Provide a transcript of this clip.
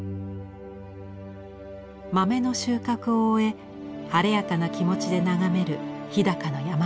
豆の収穫を終え晴れやかな気持ちで眺める日高の山並み。